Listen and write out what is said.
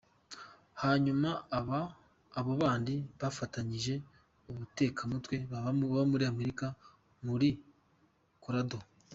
Hanyuma abo bandi bafatanyije ubutekamitwe baba muri Amerika muri Colorado.